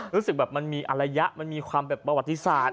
รู้สึกแบบมันมีอรยะมันมีความแบบประวัติศาสต